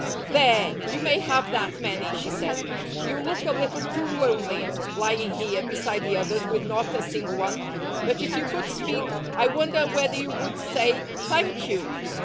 "There! You may have that many," she said. "You look a little too lonely, lying here beside the others with not a single one, but if you could speak, I wonder whether you would say, 'Thank you!'